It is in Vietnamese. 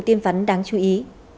cụm tin vắn đáng chú ý